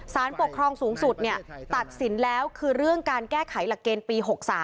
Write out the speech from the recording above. สารปกครองสูงสุดตัดสินแล้วคือเรื่องการแก้ไขหลักเกณฑ์ปี๖๓